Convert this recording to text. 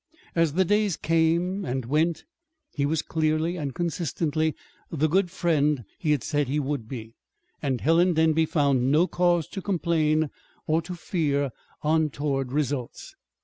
As the days came and went, he was clearly and consistently the good friend he had said he would be; and Helen Denby found no cause to complain, or to fear untoward results.